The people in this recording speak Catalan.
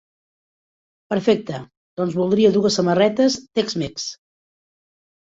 Perfecte, doncs voldria dues samarretes Tex Mex.